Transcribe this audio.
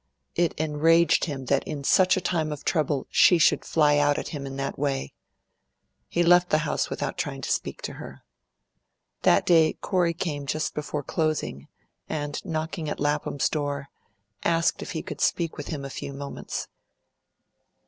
It enraged him that in such a time of trouble she should fly out at him in that way. He left the house without trying to speak to her. That day Corey came just before closing, and, knocking at Lapham's door, asked if he could speak with him a few moments.